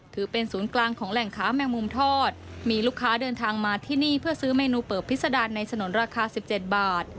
ถือเป็นศูนย์กลางของแหล่งค้าแมงมุมทอดมีลูกค้าเดินทางมาที่นี่เพื่อซื้อเมนูเปิบพิษดารในสนุนราคา๑๗บาท